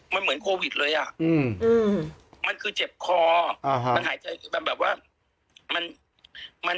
มันเหมือนโควิดเลยอ่ะมันคือเจ็บคอมันหายใจคือมันแบบว่า